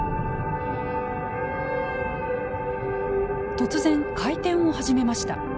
突然回転を始めました。